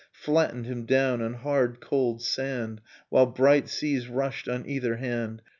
Flattened him down on hard cold sand While bright seas rushed on either hand.